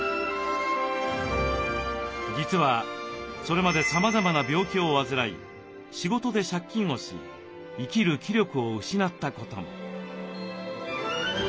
実はそれまでさまざまな病気を患い仕事で借金をし生きる気力を失ったことも。